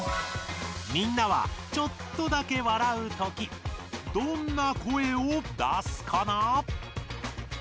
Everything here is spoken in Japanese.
みんなはちょっとだけ笑うときどんな声を出すかな？